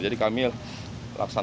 jadi kami laksanakan kegiatan